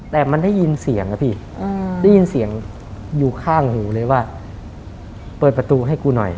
แต่มันได้ยินเสียงอะพี่ได้ยินเสียงอยู่ข้างหูเลยว่าเปิดประตูให้กูหน่อย